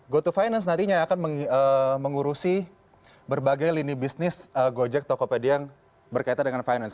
goto finance nantinya akan mengurusi berbagai lini bisnis gojek tokopedia yang berkaitan dengan finance